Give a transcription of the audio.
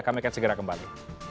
kami akan segera kembali